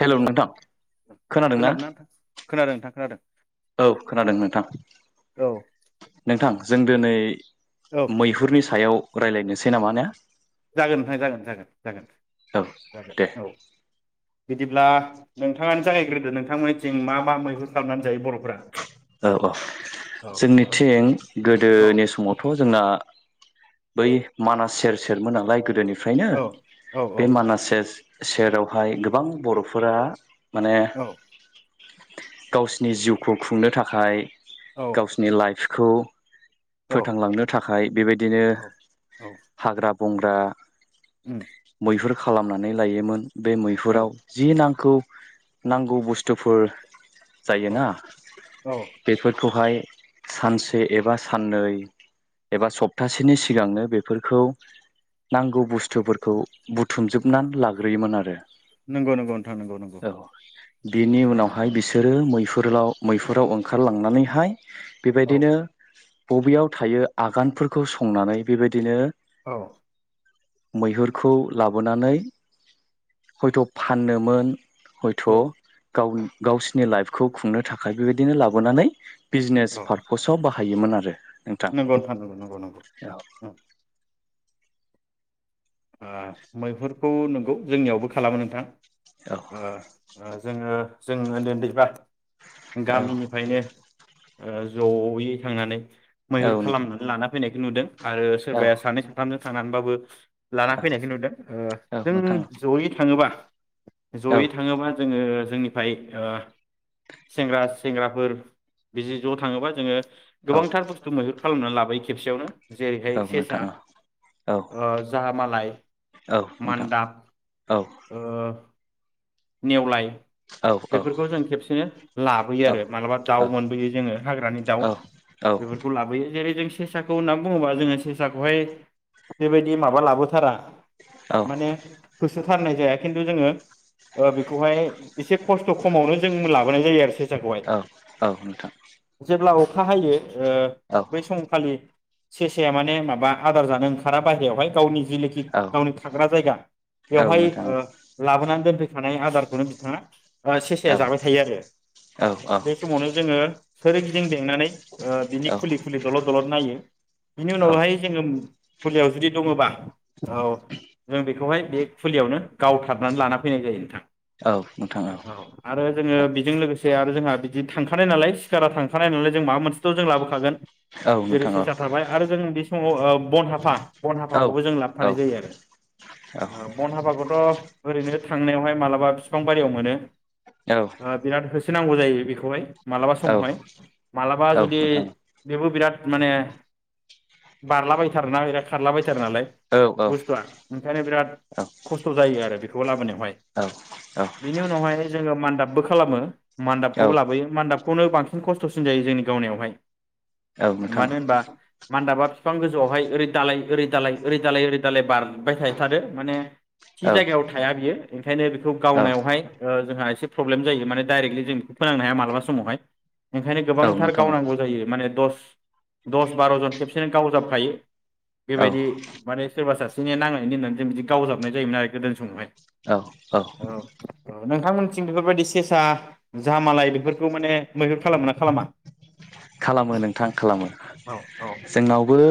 Hello नोंथां खोनादों ना खोनादोंना नोंथां खोनादों नोंथां खोनादों। औ खोनादों नोंथां औ नोंथां। जों दिनै औ मैहुरनि सायाव रायलायनोसै नामा ने? जागोन नोंथां जागोन जागोन जागोन । औ दे। बिदिब्ला नोंथाङानो जागायग्रोदो नोंथांमोननिथिं मा मा मैहुर खालामनानै जायो बर'फोरा औ औ औ औ जोंनिथिं औ गोदोनि समावथ' जोंना बै मानास सेर सेरमोन नालाय गोदोनिफ्राय निफ्रायनो औ औ बे मानासेस सेरावहाय गोबां बर'फोरा माने औ गावसिनि जिउखौ खुंनो थाखाय औ गावसिनि लाइफ खौ औ फोथांलांनो थाखाय बेबायदिनो औ औ हाग्रा बंग्रा उम मैहुर खालामनानै लायोमोन बे औ मैहुराव जि नांगौ! नांगौ बुस्थुफोर औ जायोना औ बेफोरखौहाय सानसे एबा साननै एबा सप्तासेनि सिगांनो बेफोरखौ नांगौ बुस्थुफोरखौ बुथुमजोबनानै लाग्रोयोमोन आरो। नंगौ नंगौ नोंथां नंगौ नंगौ औ नंगौ बिनि उनावहाय बिसोरो मैहु गोलाव- मैहुराव ओंखारलाङो थांनानैहाय औ बेबायदिनो बबेयाव थायो आगानफोरखौ संनानै बेबायदिनो औ मैहुरखौ लाबोनानै हयथ' फाननोमोन हयथ' औ गावनि गावसिनि लाइफखौ खुंनो थाखाय बेबायदिनो लाबोनानै बिजनेस पार्पसाव बाहाय हायोमोन आरो नोंगौ नोंथां नोंगौ नोंगौ। औ ओ मैहुरखौ नोंगौ जोंनियावबो खालामो नोंथां, औ आ आ जोङो जों उन्दै उन्दैबा औ औ गामिनिफ्रायनो ओ जयै थांनानै मैहुर नोंथां खालामनानै लाना फैनायखौ नुदों आरो औ सोरबाया सानै साथामजों थानानबाबो लाना औ फैनायखौ नुदों ओ औ जों नोंथां जयै थाङोबा औ जयै थाङोबा जोङो जोंनि ओमफाय ओ सेंग्रा सेंग्राफोर बिजि ज' थाङोबा जोङो औ गोबांथार बुस्थु मैहुर उम लाबोयो खेबसेयावनो जेरैहाय औ सेसा नोंथां औ ओ जाहामालाय औ नोंथां मान्दाब औ ओ । नेवलाय । औ औ बेफोरखौ जों खेबसेनो लाबोयो आरो मालाबा दाउ मोनबोयो जोङो हाग्रानि दाउ बेफोरखौ लाबोयो जेरै जों । सेसाखौ ना बुङोबा जोङो सेसाखौहाय बेबायदि माबा लाबोथारा औ नोंथां औ नोंथां औ माने होथारनाय जाया खिन्थु जोङो । ओ-बेखौहाय एसे खस्थ खमावनो जों लाबोनाय जायो आरो से। खौयाय औ औ औ नोंथां जेब्ला उ । खाहायो ओ औ औ नोंथां औ नोंथां औ नोंथां औ बै समखालि सेसाया माने माबा आदार जानो ओंखारा बाइरायावहाय। गावनि जेनोखि गावनि थाग्रा जायगा बेवहाय ओ नोंथां औ लाबोना दोनदों। थानाय आदारखौनो बिथाङा ओ-सेसाया जाबाय थायो आरो बे समावनो जोङो। सोर गिदिं । बेंनानै ओ बिनि फुलि फुलि दलद दलद नायो बिनि उनावहाय जोङो । फुलियाव जुदि दङबा। औ जों बेखौहाय । बे फुलियावनो गावथारनानै लाना फैनाय जायो। औ आरो जोङो बेजों लोगोसे । आरो जोंहा बिदि थांखानाय नालाय सिखारा थांखानाय नालाय जों माबा मोनसेथ जों लाबोखागोन। जेरै सेसा थाबाय आरो जों बिस । फुंआव ओ-बन हाफा। बन हाफाखौबो जों लाबफानाय जायो आरो ओ बन हाफाखौथ। ओरैनो थांनायावहाय मालाबा बिफां बारियाव मोनो। ओ बिरटा होस। सो नांगौ जायो बेखौहाय मालाबा समावहाय मालाबा जुदि बेबो बिराद। माने बारलाबायथारोना बिरात। खारलाबायथारो नालाय बुस्थुआ ओंखायनो बिराद खस्थ जायो आरो बेख। खौ लाबोनायावहाय। बिनि उनावहाय जोङो मान्दाब। बो खालामो। मान्दाबखौबो लाबोयो मान्दाब खौनो बांसिन खस्थ'सिन जायो जोंनि गावनायावहाय मानो होनबा मानदाबा बिफां गोजौवाय ओैरै दालाय ओैरै दालाय ओरै दालाय ओैरै दालाय बार [unintelligible] माने थि जायगायाव थाया बियो ओंखायनो बेखौ गावनायावहाय जोंहा एसे प्रब्लेम जायो माने डरेक्टलि जों फोनांनो हाया मालाबा समावहाय ओंखायनो गोबांथार गावनांगौ जायो माने दस दस बार'जन खेबसेनो गावजाबखायो औ बेबायदि माने सोरबा सासे नि नांनानै होननानै जों बिदि गावजाबनाय जायोमोन आरो गोदोनि समावहाय औ औ नोंथांमोन। बेफोरबायदि सेसा जाहामालाय बेफोरखौ माने मैहुर खालामो ना खालामा? खालामो नोंथां खालामो औ जोंनावबो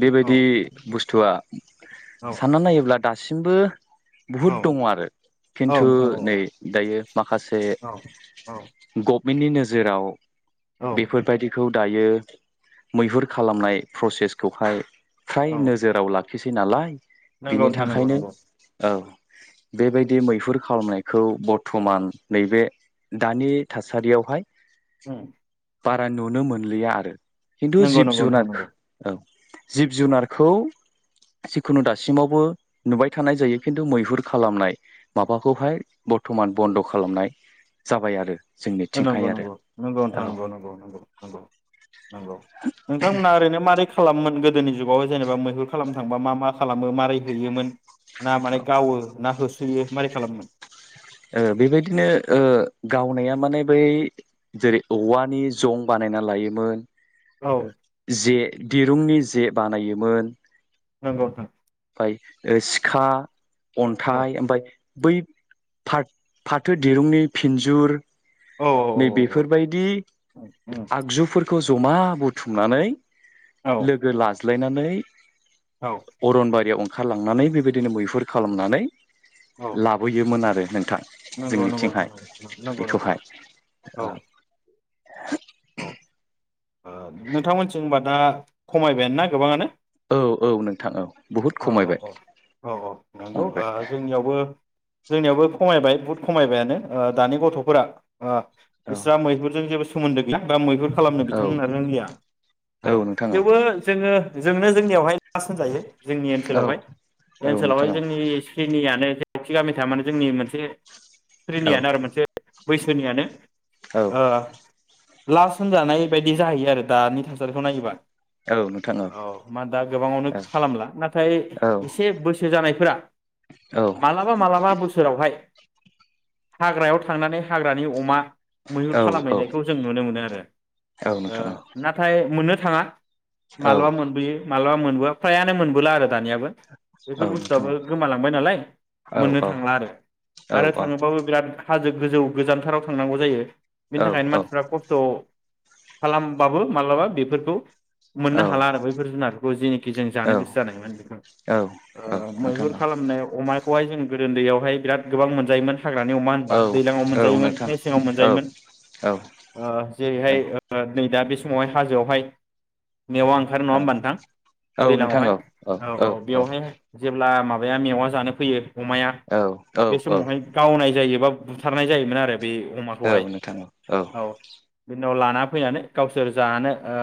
बेबायदि औ बुसथुआ औ साननानै नायोब्ला दा सिमबो बुहुद औ दङ आरो औ खिन्थु नोंथां औ नै दायो माखासे औ औ ग बेनि नोजोराव औ बेफोरबायदिखौ दायो मैहुर खालामनाय प्रसेसखौहाय फ्राय औ नोजोराव ला खिसै नालाय नंगौ बिनि नोंथां नंगौ थाखायनो नंगौ औ बेबायदि मैहुर खालामनायखौ बर्थमान नैबे दानि थासारियावहाय उम बारा नुनो मोनलिया आरो खिन्थु नंगौ जिब नंगौ नोंथां जुनार नंगौ औ जिब जुनारखौ जिखुनु दासिमावबो नुबाय थानाय जायो खिन्थु मैहुर खालामनाय माबाखौहाय बर्थमान बन्द खालामनाय जाबाय आरो जोंनिथिंहाय आरो नंगौ-नंगौ-नंगौ नोंथां औ नंगौ-नंगौ-नंगौ नंगौ नंगौ नोंथांमोना ओरैनो मारै खालामोमोन गोदोनि जुगाव जेनेबा मैहुर खालामनो थांबा मा - मा खालामो मारै होयोमोन ना माने गावो ना होस थैयो मारै खालामोमोन ओ बेबायदिनो ओ गावनाया माने बै जेरै औवानि जं बानायना लायोमोन औ जे दिरुंनि जे बानायोमोन नंगौ नोंथां ओ सिखा औ अन्थाइ ओमफाय बै फाथ फाथो दिरुंनि फिनजुर औ नै औ बेफोरबायदि आगजुफोर खौ जमा बुथुमनानै औ लोगो लाज लाजलायनानै औ अरनबारियाव ओंखारलांनानै बेबायदिनो मैहुर खालामनानै औ लाबोयोमोन आरो नोंथां नंगौ नंगौ जोंनिथिंहाय नोंथां नंगौ नंगौ बेखौहाय औ औ [inaudible] ओ नोंथांमोनथिं होनबा दा खमायबाय ना गोबाङानो औ-औ नोंथां औ बुहुद औ खमायबाय औ औ औ नंगौ ओ खमायबाय जोंनियावबो जोंनियावबो खमायबाय बहुद खमायबायानो ओ दानि गथफोरा ओ बिस्रा मैहुरजों जेबो सो सोमोन्दो गैया मैहुर खालाम औ [unintelligible] रोंलिया औ नोंथां औ थेवबो जोङो जोंनो जोंनियावहाय लास होनजायो जोंनि औ ओनसोलावहाय बे औ ओनसोलावहाय नोंथां जोंनि स्रिनियानो जेरावखि गामि थाया मानो जोंनि मोनसे औ स्रिनियानो आरो मोनसे बैसोनियानो औ ओ लास होनजानाय बेबायदि जाहैयो आरो दानि थासारिखौ नायोबा औ नोंथां औ मा दा गोबाङावनो खालामला नाथाय औ एसे बोसोर जानाय फोरा औ मालाबा मालाबा बोसोरावहाय हाग्रायाव थांनानै हाग्रानि अमा मैहुर औ खालामहैनायखौ जों नुनो मोनो आरो औ ओ नोंथां नाथाय मोननो थाङा औ मालाबा मोनबोयो मालाबा मोनबो फ्रायानो मोनबोला आरो दानियाबो औ बेफोर नोंथां बुस्थुआआबो औ गोमालांबाय नालाय मोननो थांला आरो औ आरो थाङोबाबो बिराद हाजो गोजौ गोजानथाराव थांनांगौ जायो बिनि थाखायनो औ मानसिफ्रा खस्थ खालामबाबो माब्लाबा बेफोरखौ मोननो हाला औ आरो बैफोर जुनारफोरखौ जेनिखि जों औ जानो गोसो नोंथां जादोंमोन औ ओ मैहुर औ खालामनाय अमा खौहाय जों गोदो ओन्दैयावहाय बिराद गोबां मोनजायोमोन हाग्रानि अमा औ होनबा दैलाङाव मोनजायोमोन मेसेङाव मोनजायोमोन नोंथां औ ओ जेरैहाय नै दा बे समावहाय हाजोआवहाय मेवआ ओंखारो नङा औ होमबा नोंथां दैज्लांआवहाय औ औ बेवहाय जेब्ला माब औवा मेवआ जानो फैयो अमाया औ बे समावहाय गावनाय जायो एबा बुथारनाय जायोमोन आरो बे औ अमाखौहाय नोंथां औ औ खौ लाना फैनानै गावसोर जानो ओ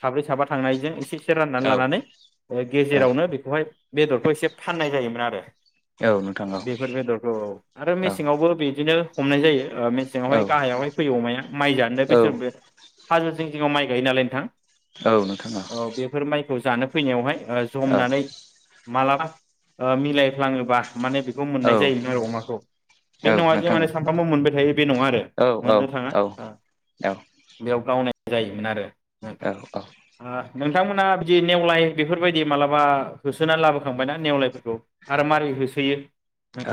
साब्रै साबा थांनायजों इसे इसे राननानै औ लानानै औ गेजेरावनो बेखौहाय बेदरखौ एसे फाननाय जायोमोन आरो औ नोंथां औ बेफोर बेदरखौ औ आरो औ मेसेङावबो बिदिनो हमनाय जायो। ओ मेसेङावहाय औ गाहायावहाय फैयो अमाया माइ जानो बैसोरबो हाजो जिं जिङाव माइ गायो नालाय नोंथां औ नोंथां औ खौ जानो फैनायावहाय ओ जमनानै मालाबा ओ मिलायफ्लाङोबा माने बेखौ मोननाय जायोमोन आरो अमाखौ बे नङा जे माने सानफ्रामबो मोनबाय थायो बे नङा आरो मोननो थाङा अ मावनाय जायोमोन आरो ओ औ औ नोंथांमोना बिदि नेवलाय बेफोरबायदि मालाबा होसोनानै लाबोखांबाय ना नेवलायफोरखौ आरो मारै होसोयो?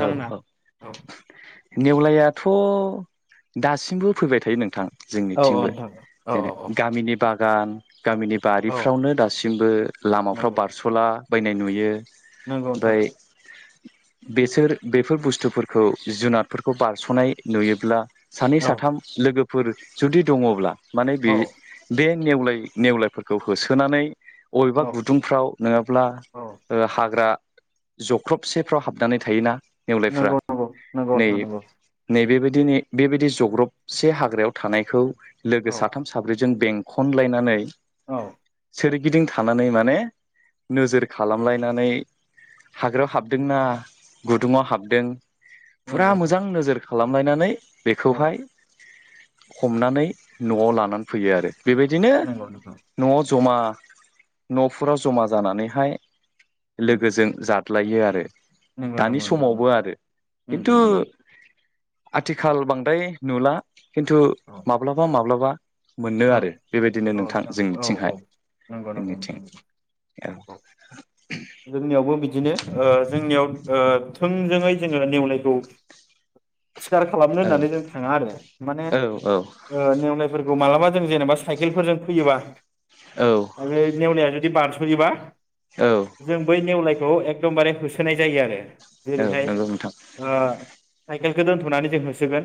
औ औ औ नेवलायाथ' दासिमबो फैबाय थायो नोंथां औ जोंनिथिंबो नोंथां औ जेने गामिनि बागान गामिनि औ बारिफ्रावनो दासिमबो लामाफ्राव बारस'ला बायनाय नुयो नोंगौ नोंथां ओमफ्राय बेसोर बेफोर बुस्थुफोरखौ जुनादफोरखौ बारस'नाय नुयोब्ला सानै औ साथाम लोगो फोर जुदि दङ'ब्ला माने बे औ बे नेवलाय नेवलायफोरखौ होसोनानै अबेबा औ गुदुंफ्राव नोङाब्ला औ ओ हाग्रा जख्रबसेफ्राव हाब नानै थायोना नेवलायफ्रा नंगौ नंगौ नंगौ नै नोंथां नंगौ नै बेबाय दिनै बेबायदि जब्रबसे हाग्रायाव थानायखौ औ लोगो साथाम साब्रै जों बेंखनलायनानै औ सोरगिदिं थानानै माने नोजोर खालामलायनानै हाग्रायाव हाबदोंना गुदुङाव हाबदों फुरा नंगौ नोंथां मोजां नोजोर खालामलायनानै औ बेखौहाय हमनानै न'आव लानानै फैयो आरो बेबायदिनो नंगौ नंगौ न'आव जमा न'फोराव जमा जानानैहाय उम लोगोजों जादों लायो आरो नंगौ दानि नंगौ नोंथां समावबो नंगौ आरो उम खिन्थु उम उम आथिखाल बांद्राय नुला खिन्थु औ माब्लाबा माब्लाबा मोनो औ आरो बेबायदिनो औ नोंथां औ औ जोंनिथिंहाय नंगौ नंगौ नोंथां जोंनिथिं औ जोंनियावबो बिदिनो ओ जोंनियाव ओ थोंजोङै जोङो नेवलाय खौ सिखार खालामनो होननानै जों थाङा आरो माने औ औ नेवलनायफोरखौ मालाबा जों जेनेबा साइकेलफोरजों फैयोबा औ ओ नेवलाया बि बारस'योबा औ जों बै नेवलाय- खौ एकदमबारे होसोनाय जायो आरो । जेरैहाय नंगौ नोंथां ओ साइकेलखौ दोन्थ'नानै जों होसोगोन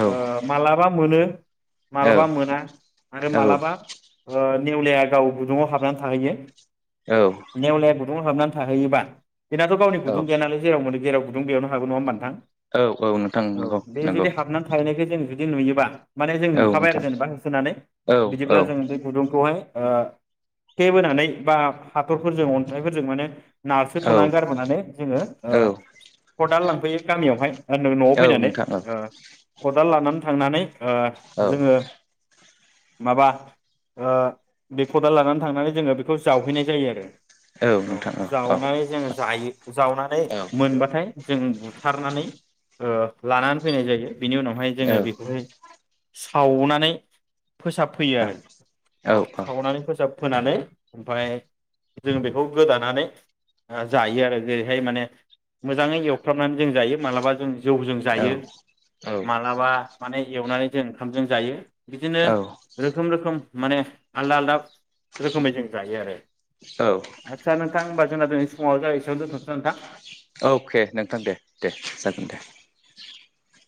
औ ओ मालाबा मोनो [unintelligible] औ मालाबा मोना । आरो मालाबा ओ ओ नेवलाया गाव गुदुङाव हाबनानै थाहैयो। औ नेवलाया गुदुंआव हाबनानै थाहैयोबा बेनाथ' गावनि औ गुदुं गैयानालाय जेराव मोनो जेराव गदुं बेयावनो हाबो नङा होनबा नोंथां? औ औ नोंथां नंगौ नंगौ । बिदि नुयोबा माने जों नुखाबाय आरो जेनेबा । औ बिदिब्ला औ जों बे गुदुंखौ बहाय ओ दे बोनानै बा हाथरफोरजों अन्थफोरजों माने नारसो औ थ'नानै गारबोनानै जोङो औ खदाल लां फैयो गामियावहाय। ओ नों न'आव औ फैनानै नोंथां औ दाल लानानै थांनानै ओ औ जोङो माबा ओ बे खदाल लानानै थांनानै जोङो बेखौ जावहैनाय जायो आरो । औ जावनानै जोङो जायो जावनानै औ मोनबाथाय जों बुथारनानै ओ लानानै फैनाय जायो । बिनि उनावहाय जोङो औ बेखौहाय सावनानै [inaudible] फोसाबफैयो औ आरो औ सावनानै फोसाब फोनानै ओमफ्राय जों बेखौ गोदानानै जायो आरो ओेरैहाय माने मोजाङै एवफ्रामनानै जों जायो मालाबा जों जौजों जायो मालाबा माने एवनानै जों ओंखामजों जायो बिदिनो औ रोखोम रोखोम माने आलदा आलदा रोखोमै जों जायो आरो औ आचसा नोंथां होमबा जोंना दिनै फुङाव ज एसेयाव दोनथ'सै नोंथां अके नोंथां दे दे जागोन [inaudible]